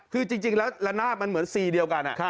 คือจริงและหน้ามันเหมือน๔เดียวกัน